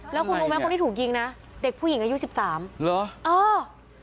แล้วคุณรู้ไหมคนที่ถูกยิงนะเด็กผู้หญิงอายุสิบสามเหรอเออ